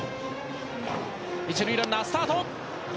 一塁ランナー、スタート。